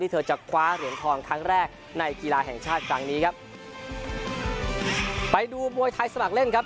เธอจะคว้าเหรียญทองครั้งแรกในกีฬาแห่งชาติครั้งนี้ครับไปดูมวยไทยสมัครเล่นครับ